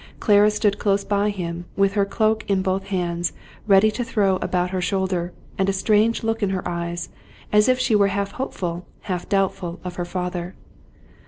Qara stood close by him, with her cloak in both hands ready to throw about her shoulders, and a strange look in her eyes, as if she were half hopeful, half doubtful of her father.